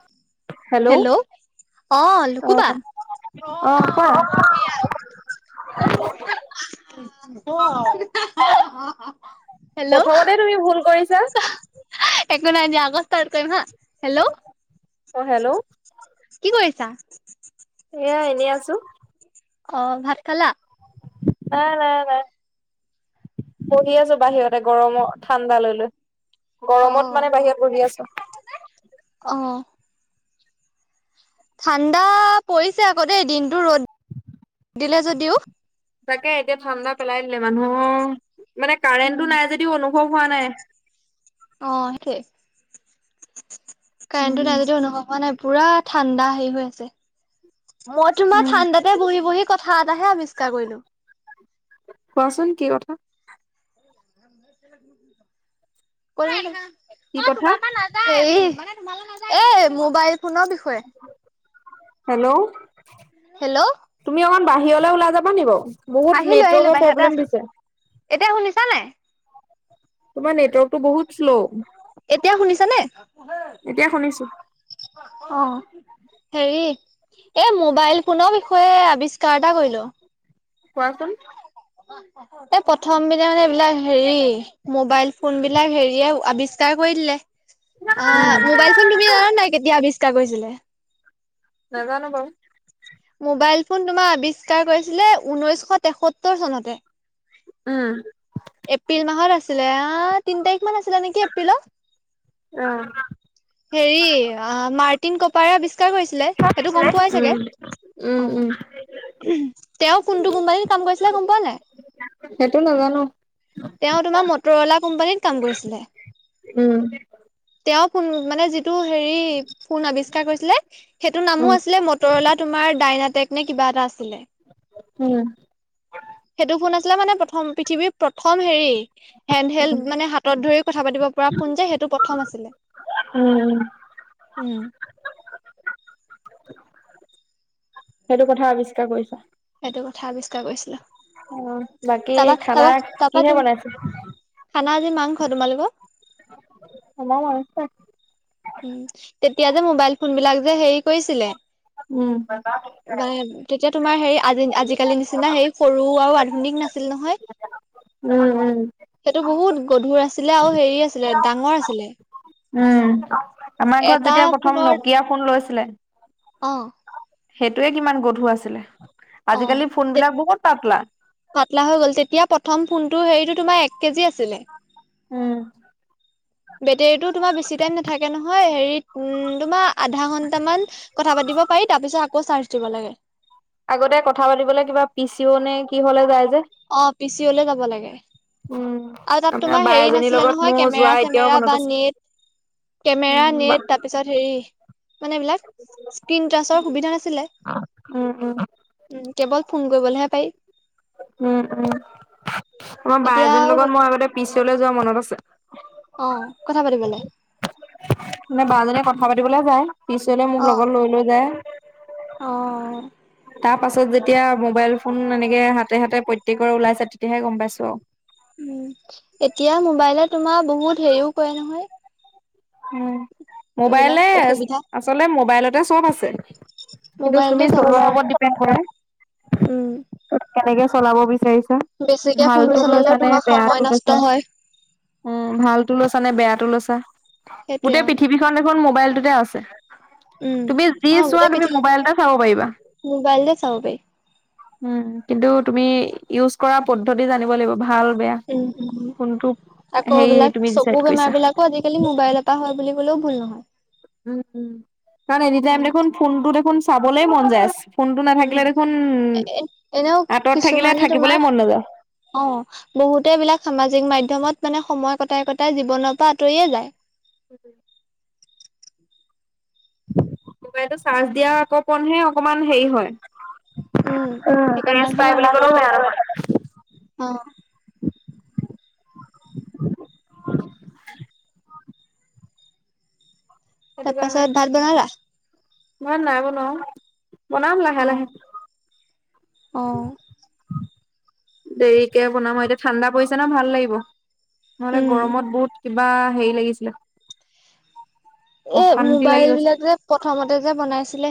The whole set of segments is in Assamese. [unintelligible] হেল্ল' অহ, লুকু বা। অ কোৱা [unintelligible] [unintelligible] প্ৰথমতে তুমি ভুল কৰিছা। একো নাই আকৌ ষ্টাৰ্ট‌ হা। হেল্ল'। অহ, হেল্ল'। কি কৰিছা? এয়া এনেই আছোঁ। অহ, ভাত খালা? নাই, নাই, নাই। বহি আছোঁ বাহিৰতে গৰমত ঠাণ্ডা লৈ লৈ। অ গৰমত মানে বাহিৰত বহি আছোঁ। অ ঠাণ্ডা পৰিছে আকৌ দেই, দিনতটো ৰ'দ দিলে যদিও। তাকে এতিয়া ঠাণ্ডা পেলাই দিলে মানুহৰ, মানে কাৰেণ্টটো নাই যদিওঁ অনু অনুভৱ হোৱা নাই। অহ, সেইটোৱেই। কাৰেণ্টো উম নাই যদিওঁ অনুভৱ হোৱা নাই। পুৰা ঠাণ্ডা হেৰি হৈ আছে, মই তোমাৰ উম ঠাণ্ডাতে বহি বহি কথা এটাহে আৱিষ্কাৰ কৰিলোঁ। কোৱাচোন কি কথা। কোৱা। কি অহ, কথা তোমাৰ পৰা নাযায়, মানে তোমালে নাযায়। হেৰি এ মোবাইল ফোনৰ বিষয়ে, হেল্ল' হেল্ল'। তুমি অকমান বাহিৰলৈ ওলাই যাবা নি বাৰু, বহুত আহিলো আহিলো নেটৱৰ্কৰ বাহিৰতে প্ৰব্লেম আছো দিছে। এতিয়া শুনিছানে নাই? তোমাৰ নেটৱৰ্কতটো বহুত শ্ল' এতিয়া শুনিছানে? এতিয়া শুনিছোঁ। অহ, হেৰি এ মোবাইল ফোনৰ বিষয়ে আৱিষ্কাৰ এটা কৰিলোঁ। কোৱাচোন? এই প্ৰথম দিনা মানে এইবিলাক হেৰি, মোবাইল ফোনবিলাক হেৰিয়ে আৱিষ্কাৰ কৰি দিলে। অহ, মোবাইল ফোন তুমি উম। জানানে নাই কেতিয়া আৱিষ্কাৰ কৰিছিলে? নাজানোঁ বৰু। মোবাইল ফোন তোমাৰ আৱিষ্কাৰ কৰিছিলে, উঊনৈশ তেসত্তৰ চনতে। উম। এপ্ৰিল মাহত আছিলে, তিন তাৰিখ মান আছিলে নেকি এপ্ৰিলত উম হেৰি মাৰ্টিন কপাৰে আৱিষ্কাৰ কৰিছিলে। সেইটো গম পোৱাই চাগে। উম অ, উম তেওঁ কোনটো কোম্পানীত কাম কৰিছিলে গম পোৱা নাই। সেইটো নাজানো তেওঁ তোমাৰ মটৰৱালা কোম্পানীত কাম কৰিছিলে। উম। তেওঁ মানে যি হেৰি ফুণ আৱিষ্কাৰ কৰিছিলে সেইটো উম নামো আছিলে মটৰলা তোমাৰ ডাইনাটেক নে কি'বা। [unintelligible] আছিলে। উম। সেইটো ফোন আছিলে মানে প্ৰথম পৃথিৱীৰ প্ৰথম হেৰি হেণ্ড, উম হেলড মানে হাতত ধৰি কথা পাতিব পৰা ফোন যে সেইটো প্ৰথম আছিলে। উম, উম। [inaudible] সেইটো কথা আৱিষ্কাৰ কৰিছা। সেইটো কথা আৱিষ্কাৰ কৰিছিলো। অ, বাকী তাৰপা খানা তাৰপা তাৰপা কিহে তুম বনাইছো? খানা আজি মাংস, তোমালোকৰ? আমাৰ মনছে। উ, তেতিয়া যে মোবাইল ফোন বিলাক যে হেৰি কৰিছিলে। উম। বা, তেতিয়া তোমাৰ হেৰি আজি, আজিকালি নিচিনা হেই সৰু, আৰু আধুনিক নাছিল, নহয়। উম উম সেইটো বহুত গধুৰ আছিলে আৰু হেৰি আছিলে, ডাঙৰ আছিলে। উম, আমাৰ ঘৰত এটা যেতিয়া প্ৰথম ফোনৰ নকিয়া ফোন লৈছিলে। অ সেইটয়ে কিমান গধু আছিলে, অ আজিকালি ফোন বিলাক বহুত পাতলা। পাতলা হৈ গ'ল তেতিয়া প্ৰথম ফোনটোৰ হেৰিটো তোমাৰ এক কেজি আছিলে। উম। [unintelligible] দি'ব পাৰিকৌ চাৰ দি'ব লাগ আগতে কথা পাতিবলে কিবা পিচিও নে কি হলে যায়। যে অ, পিচি অলে যাব লাগে। উম, আৰু তাত আমাৰ তোমাৰ বা হেৰি এজনীৰ নাছিলে লগত নহয়, মোৰ কেমেৰা, যোৱা এতিয়াও চেমেৰা মনত বা আছে। নেট। কেমেৰা, উম, বা নেট তাৰপিছত হেৰি মানে এই বিলাক স্কন টাচৰ সুবিধা নাছিলে। উম, কেৱল ফোন কৰিবলৈহে পাৰি। উম, উম। আমাৰ ব, বা, এতিয়া এজননৰ আৰু লগত মই এব পিছলে যোৱা মনত আছে। অ, কথা পাতিবলৈ। বলৈ যায় পিছনে মোক লগত লৈ, লৈ, যায়। অ'। তাৰ পাছত যেতিয়া মোবাইল ফোন এনেকে হাতে, হাতে প্ৰত্যেকৰে ওলাইছে, তেতিয়াহে গম পাইছো অ'। উ, এতিয়া মোবাইলে তোমাৰ বহুত হেৰিও কৰে নহয়। উ, এইবিলাক মোবাইলে অসুবিধা আচলতে মোবাইলতে চ'ব আছে। কিন্তু তুমি মোবাইলতে চ'ব আছে অ, ওপৰত ডপেণ্ড কৰা। উম। কেনেকে চলাব বিচাৰিছা বেছিকে ফোনটো ভালতো চলালেও লৈছে, নে, তোমাৰ সময় বেয়াতটো নষ্ট লৈছে। হয় উম, ভালতো লৈছা নে, বেয়াতো লৈছা, সেইটোৱে গোটেই অ, পৃথিৱীখন দেখখন মোবাইলটোতে আছে। উম, তুমি যি অ, চোৱা গোটেই তুমি পৃথিৱী মোবাইলটা চাব পাৰিবা। মোবাইলতে চাব পাৰি উম, কিন্তু তুমি ইউজ কৰা পদ্ধতি জানিব লাগিব। ভাল বেয়া উম উম, কোনটো আকৌ হেৰি এইবিলাক তুমি ডিচাইড চকুৰ বেমাৰ কৰিছা বিলাকো আজিকালি মোবাইলৰ পৰা হয় বুলি ক'লেওঁ ভুল নহয়। উম উম, কাৰণ এনিটাইম উম, দেখোন, ফোনটো দেখোন চাবলৈ মন যায় আছে। উম, এনেও আঁতৰত থাকিলে কিছুমানে থাকিবলে তোমাৰ মন নাযায় অ', বহুতেই এইবিলাক সামাজিক মাধ্যমত মানে সময় কটাই কটাই জীৱনৰ পৰা আঁতৰিয়েই যায়। উম। মোবাইলটো চাৰ্জ দিয়া আকৌ পৰহে অকমান হেৰি হয়। উম, সেইকণ ৰেষ্ট দাঙহে নাই মানে বুলি ৰৈ ক'লেও থাকে বেয়া নহয়। [inaudible] অ, তাৰপাছত, ভাত বনালা? মই নাই বনোৱা অ', বনাম লাহে লাহে। অহ। দেৰিকে বনাম আৰু, এতিয়া ঠাণ্ডা পৰিছে ন' ভাল লাগিব, নহ'লে উম, গৰমত বহুত কিবা হেৰি লাগিছিলে। এই অশান্তি লাগি মোবাইল গৈছে বিলাক যে, প্ৰথমতে যে বনাইছিলে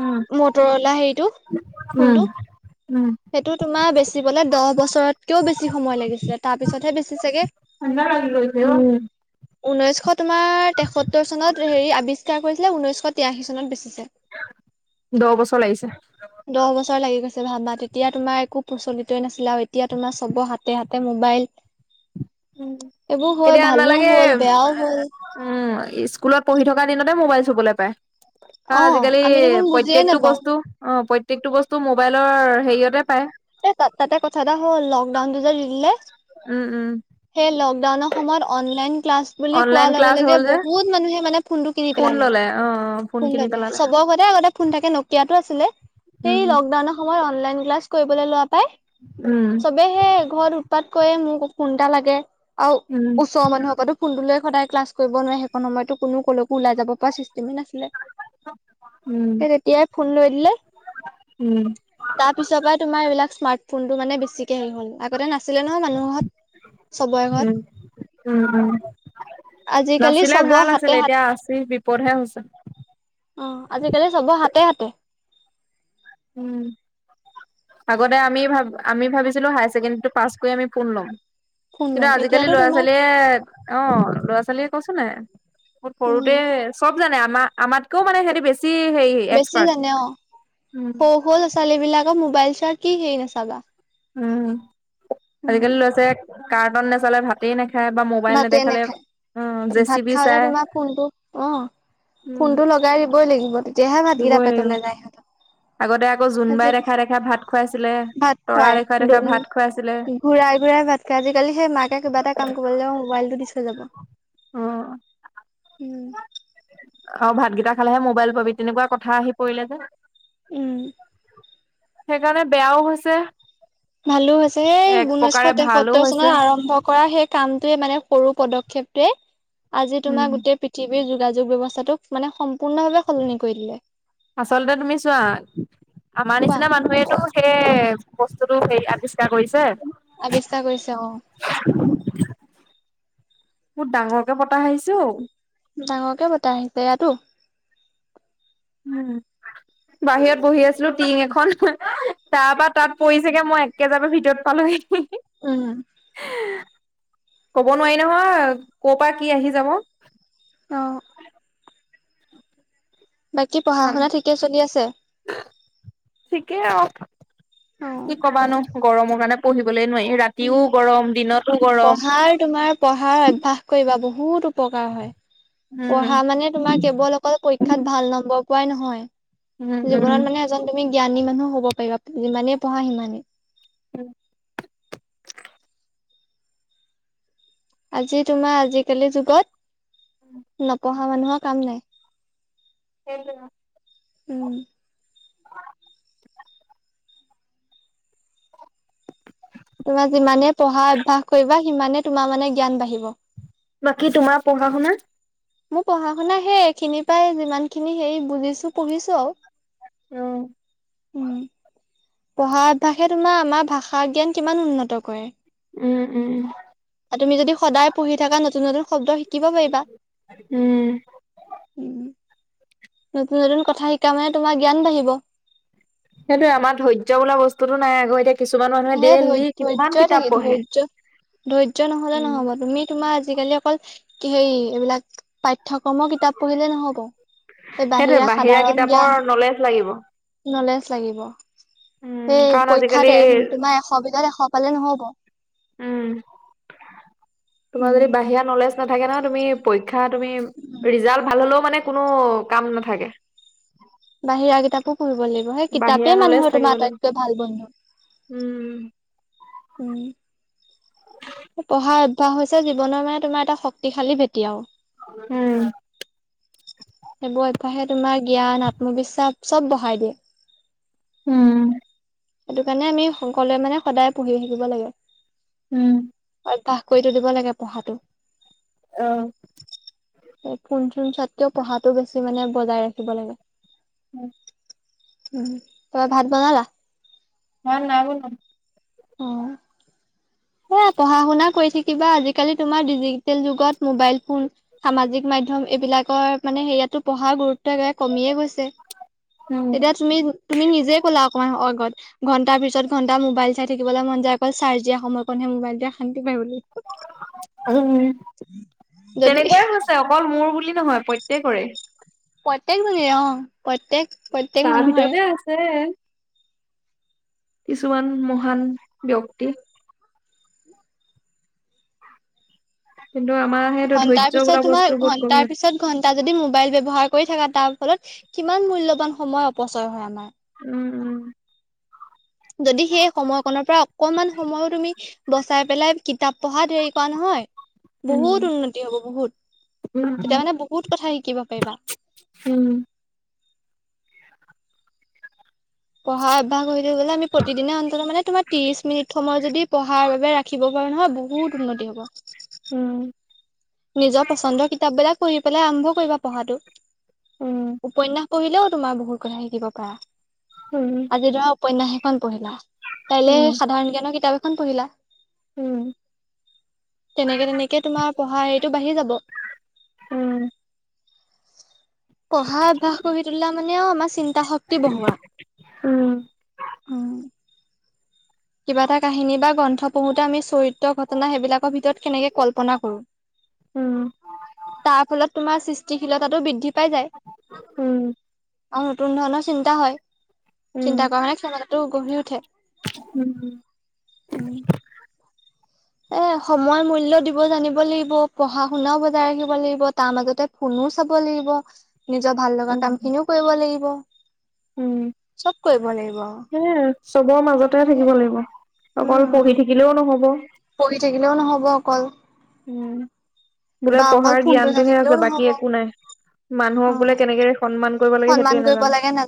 উম মটৰলা হেৰিটো, উম ফোনটো। উম সেইটো তোমাৰ বেচিবলে দহ বছৰতকেও বেছি সময় লাগিছিলে, তাৰ পিছতহে বেছিছেগে। [unintelligible] হৈছে অ', উম। ঊনৈছশ তোমাৰ তেসত্তৰ চনত হেৰি আৱিষ্কাৰ কৰিছিলে, ঊনৈছশ তিৰাশী চনত বেছিছে। দহ বছৰ লাগিছে দহ বছৰ লাগি গৈছে, ভাবা। তেতিয়া তোমাৰ একো প্ৰচলিতই নাছিলে আৰু এতিয়া তোমাৰ চবৰ হাতে হাতে মোবাইল। এইবোৰ হৈ এতিয়া ভালো নালাগে হ'ল, বেয়াও হ'ল। উম স্কুলত পঢ়ি থকা দিনতেই মোবাইল চুবলৈ পায়। কাৰণ অ', আজিকালি আমি দেখোন বুজিয়ে প্ৰত্যেকটো নাপাওঁ বস্তু অ' প্ৰত প্ৰত্যেকটো বস্তু, মোবাইলৰ হেৰিয়তে পায়। এ তাত, তাতেই কথা এটা হ'ল, লকডাউনটো যে দি দিলে উম উম সেই লকডাউনৰ সময়ত অনলাইন ক্লাছ বুলি কোৱাৰ অনলাইন লগে ক্লাছ লগে, হ'ল যে বহুত মানুহে মানে ফোনটো কিনি ফোন পেলালে। ললে অ অ ফোন কিনি ল'লে, পেলালে চবৰ ঘৰতে আগতে ফোন থাকে, ন কিয়াটো আছিলে, সেই উম লকডাউনৰ সময়ত অনলাইন ক্লাছ কৰিবলৈ লোৱা পাই, উম চবেই সেই ঘৰত উৎপাত কৰে মোক ফোন এটা লাগে আৰু উম ওচৰ মানুহৰ ঘৰতো ফোনটোলৈ সদায় ক্লাছ কৰিব নোৱাৰে, সেইকন সময়ততো কোনো ক'লেকো ওলাই যাব পৰা চি মেই নাছিলে, উম সেই তেতিয়াই ফোন লৈ দিলে। উম তাৰপিছৰ পৰাই তোমাৰ এইবিলাক স্মাৰ্ট ফোনটো মানে বেছি কে আহি গ'ল, আগতে নাছিলে নহয় মানুহৰ ঘৰত, চবৰে ঘৰত। আজিকালি নাচিলে চবৰ ভাল হাতে আছিলে, হাত এতিয়া আছিল বিপদহে হৈছে। অ', আজিকালি চবৰ হাতে হাতে। উম। আগতে আমি ভা, আমি ভাবিছিলোঁ হায়াৰ ছেকেণ্ডৰীতো পাছ কৰি, আমি ফোন ল'ম। ফোন কিন্তু ল'ম আজিকালি এতিয়াতো ল'ৰা তোমাক ছোৱালীয়ে, অ', ল'ৰা ছোৱালীয়ে কৈছোনে নাই। বহুত উম সৰুতেই চব জানে, আমাৰ আমাতকেও মানে সিহঁতি বেছি যি হেৰি বেছি এক্সপাৰ্ট। জানে অ সৰু সৰু' ল'ৰা ছোৱালীবলাকৰ মোবাইল চোৱাৰ কি হেৰি নাচাবা। উম, উম আজিকালি ল'ৰা ছোৱালীয়ে কাৰ্টন নেচালে ভাতেই নেখ খাই বা মোবাইল ভাতে নেদেখালে নেখায় জে ভাত চি বি খাওঁতে চাই। তোমাৰ ফোনটো অ উম, ফোনটো লগাই দিবই লাগিব, তেতিয়াহে ভাতকেইটা দিবই লাগিব। পেটলৈ যাই সিহঁতৰ। আগতে আকৌ আজি জোনবাই দেখুৱাই দেখুৱাই ভাত খুৱাইছিলে, ভাত তৰা দেখুৱাই দেখুৱাই ভাত খুৱাইছিলে। প্ৰাই বোৰে ভাত খাই, আজিকালি সেই মাকে কিবা এটা কাম কৰি বলে মবাইলটো দি থৈ যাব। অ' উম। অ, ভাতকেইটা খালেহে মোবাইল পাবি তেনেকুৱা কথা আহি পৰিলে যে। উম। সেইকাৰণে বেয়াও হৈছে। ভালো হৈছে, এই এক উঊনৈশ প্ৰকাৰে ভালো তেসত্তৰ হৈছে চনত আৰম্ভ কৰা সেই কামটোৱে মানে সৰু পদক্ষেপটোৱে আজি উম তোমাৰ গোটেই পৃথিৱী যোগাযোগ ব্যৱস্থোক মানে সম্পূৰ্ণভাৱে সলনি কৰি দিলে। আচলতে তুমি চোৱা আমাৰ কোৱা নিচিনা মানুহেতটো সেই বস্তুতটো সে আৱিষ্কাৰ কৰিছে। আৱিচা কৰিছো অ'। বহুত ডাঙৰকে পতা আহিছো। ডাঙৰকে বতাহ আহিছে ইয়াতো। উম বাহিৰত বহি আছিলো টিং এখন তাৰপা তাত পৰিছেগে মই একে যাব ভিতৰত পালোহে। উম। কব নোৱাৰি নহয়, ক, পৰা কি আহি যাব। অ'। বাকী পঢ়া, শুনা ঠিকে চলি আছে। ঠিকেই আৰু অ কি কবানো গৰমৰ কাৰণে পঢ়িব উম, গৰম পঢ়াৰ তোমাৰ পঢ়াৰ অভ্যাস কৰিবা বহুত। বহুত উপকাৰ হয় উম পঢ়া মানে, তোমাৰ কেৱল অকল পৰীক্ষাত ভাল নম্বৰ পোৱাই উম নহয়। উম জীৱনত মানে এজন তুমি জ্ঞানী মানুহ হ'ব পাৰিবা যিমানেই পঢ়া সিমানেই। উম। আজি তোমাৰ আজিকালি যুগত নপঢ়া অহা মানুহৰ কাম নাই। সেইটো। উম। তোমাৰ যিমানে পঢ়া অভ্যয়াস কৰিবা। সিমানে তোমাৰ মানে জ্ঞান বাঢ়িব। বাকী তোমাৰ পঢ়া, শুনা মোৰ পঢ়া, শুনা সেই এইখিনি পাই। যিমান খিনি হেৰি বুজিছো পঢ়িছো আৰু। উম। উম, পঢ়া অভ্যাসে তোমাৰ আমাৰ ভাষা জ্ঞান কিমান উন্নত কৰে। উম উম আৰু তুমি যদি সদায় পঢ়ি থকা নতুন, নতুন শব্দ, শি শিকিব পাৰিবা, উম উম। নতুন, নতুন কথা শিকা মানে তোমাৰ জ্ঞান বাঢ়িব। সেইটোয়ে আমাৰ ধৈৰ্য বোলা বস্তুটো নাই আকৌ এতিয়া। কিছুমান মানুহে এ, ধৈ, ডেইলি ধ্যয়ই কিমান কিতাপ থাকি পঢ়ে। ধৈৰ্য, ধৈৰ্যয় নহলে উম, নহ'ব তুমি, তোমাৰ আজিকালি অকল কি হে এইবিলাক পাঠ্যয়ক্ৰমৰ কিতাপ পঢ়িলে নহ'ব। সেইটোৱে বাহিৰা সাধাৰণ কিতাপৰ জ্ঞান। নলেজ লাগিব। নলেজ লাগিব, উম, সেই কাৰণ আজিকালি পৰীক্ষাত এ, তোমাৰ এশ ভিতাৰ, এশ পালে নহব। উম, তোমাৰ যদি বাহিৰা নলেজ নাথাকে না তুমি শিক্ষা তুমি ৰিজাল্ট ভাল হলেও মানে কোনো কাম নাথাকে। বাহিৰা কিতাপো পঢ়িব লাগিব। সেই বাহিৰা কিতাপেই নলেজ মানুহৰ তোমাৰ থাকিব লাগিব। আটাইতকৈ ভাল বন্ধু। উম, উম। পঢ়াৰ অভ্যয়াস হৈছে, জীৱনৰ মানে তোমাৰ এটা শক্তিশালী ভেটি আৰু উম, এইবোৰ, এপাহে তোমাৰ জ্ঞান আত্মবিশ্বাস চ'ব বঢ়াই দিয়ে। উম। সেইটো কাৰণে আমি সকলোৱে মানে সদায় পঢ়ি থাকিব লাগে। উম। অভ্যুবাস কৰিতো দি'ব লাগে পঢ়াটো। আহ। এই কোন চোন [unintelligible] পঢ়াটো বেছি মানে বজাই ৰাখিব লাগে। উম। উম তোমাৰ ভাত বনালা? মই নাই বনোৱা অ এ পঢ়া শুনা কৰি থাকিবা আজিকালি তোমাৰ ডিজ ডিজিটেল যোগত মোবাইল ফোন, সামাজিক মাধ্যম এইবিলাক [unintelligible] মানে সেয়াতো পঢ়াৰ গুৰুত্ব কমিয়ে গৈছে। উম, তেতিয়া তুমি, তুমি নিজেই ক'লা অকণমান আগত। ঘণ্টাৰ পিছত ঘণ্টা মোবাইল চাই থাকিবলৈ মন যায় অকল চাৰ্জ দিয়া সময়কণহে মোবাইলটোৱে পায় বুলি। উম, যদি তেনেকুৱাই হৈছে অকল মোৰ বুলি নহয় প্ৰত্যেক তে কৰে। প্ৰত্যেক ভাগে অ, প্ৰত্যেক প্ৰত্যেক তাৰ মানুহৰে ভিতৰতে আছে। কিছুমান মহান ব্যক্তি। কিন্তু আমাৰ সেইটো ঘন্টাৰ ধৈৰ্য পিছত বোলা বস্তু তোমাৰ, বহুত ঘন্টা কমি আছে পিছত ঘন্টা যদি মোবাইল কৰি থাকা তাৰ ফলত কিমান মূল্যৱান সময় অপচয় হয় আমাৰ। উম, উম। যদি সেই সময়কণৰ পৰা অকণমান সময়ো তুমি বচাই পেলাই কিতাপ পঢ়া ধৰি থোৱা নহয়, উম বহুত উন্নতি হ'ব বহুত। উম তেতিয়া মানে বহুত কথা শিকিব পাৰিবা। পঢ়া অভ্যাস হৈ হৈ গ'লে আমি প্ৰতিদিনে অন্তত মানে তোমাৰ ত্ৰিশ মিনিট সময় যদি পঢ়াৰ বাবে ৰাখিব পাৰো নহয় বহুত উন্নতি। হ'ব। উম নিজৰ পচন্দৰ কিতাপ বিলাক পঢ়ি পেলাই আৰম্ভ কৰিবা পঢ়াটো উম উপন্যাস পঢ়িলেও তোমাৰ বহুত কথা শিকিব পাৰা উম আজি তোমাৰ উপন্যাস এখন পঢ়িলা, কাইলৈ উম সাধাৰণ জ্ঞানৰ কিতাপ এখন পঢ়িলা। উম উম তেনেকে তেনেকে তোমাৰ পঢ়া হেৰি যাব। উম পঢ়া অভ্যাস কৰি তোলা মানেও আমাৰ চিন্তা শক্তি বঢ়োৱা। উম উম'। উম কিবা এটা কাহিনী বা গ্ৰন্থ পঢ়োঁতে আমি চৰিত্ৰ ঘটনা সেইবিলাকৰ ভিতৰত কেনেকে কল্পনা কৰোঁ, তাৰ ফলত তোমাৰ সৃষ্টিশীলতাটো বৃদ্ধি পাই যায়। উম আৰু নতুন ধৰণৰ চিন্তা হয়, চিন্তা কৰা মানে ক্ষমতাটো গঢ়ি উঠে। উম, উম। উম। এ সময় মূল্য দিব জানিব লাগিব, পঢ়া শুনাওঁ বজাই ৰাখিব লাগিব তাৰ মাজতে ফোনো চাব লাগিব। নিজৰ ভাল লগা উম কাম খিনিও কৰিব লাগিব। উম, চব কৰিব লাগিব আৰু সেইয়ে আৰু চবৰ মাজতে থাকিব লাগিব। উম অকল উম পঢ়ি থাকিলেওঁ নহ'ব। পঢ়ি থাকিলেও নহব অকল। উম। বোলে বা অকল পঢ়াৰ ফোনটো চাই জ্ঞানটোহে থাকিলেও আছে নহব বাকী একো নাই অ মানুহক বোলে কেনেকে সন্মান কৰিব লাগে সন্মান সেইটোয়ে কৰিব নাজানে। লাগে নাজ